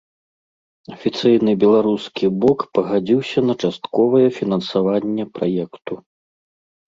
Афіцыйны беларускі бок пагадзіўся на частковае фінансаванне праекту.